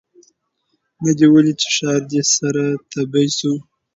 نه دي ولیده چي ښار دي سره تبۍ سو